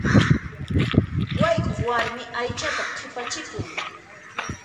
Wayk'uq warmi aychata qhipachikun.